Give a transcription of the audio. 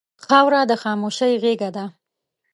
خاوره د خاموشۍ غېږه ده.